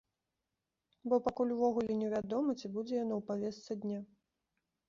Бо пакуль увогуле не вядома, ці будзе яно ў павестцы дня.